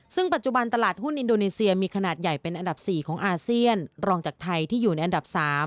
ซึ่งปัจจุบันตลาดหุ้นอินโดนีเซียมีขนาดใหญ่เป็นอันดับ๔ของอาเซียนรองจากไทยที่อยู่ในอันดับ๓